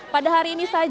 pada hari ini saja juga